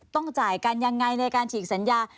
ต้องจ่ายกันยังไงในการฉีกสัญญา